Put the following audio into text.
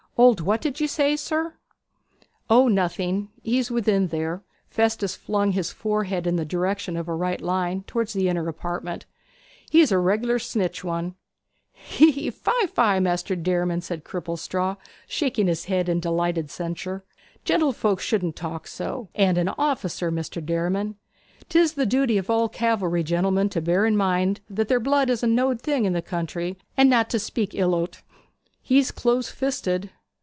Old what did you say, sir?' 'O nothing. He's within there.' Festus flung his forehead in the direction of a right line towards the inner apartment. 'He's a regular sniche one.' 'Hee, hee; fie, fie, Master Derriman!' said Cripplestraw, shaking his head in delighted censure. 'Gentlefolks shouldn't talk so. And an officer, Mr. Derriman! 'Tis the duty of all cavalry gentlemen to bear in mind that their blood is a knowed thing in the country, and not to speak ill o't.' 'He's close fisted.'